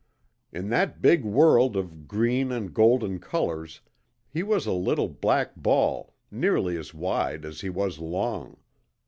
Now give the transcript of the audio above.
In that big world of green and golden colours he was a little black ball nearly as wide as he was long.